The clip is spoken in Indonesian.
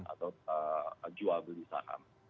atau jual beli saham